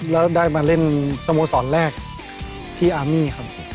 แล้วได้มาเล่นสโมสรแรกที่อาร์มี่ครับ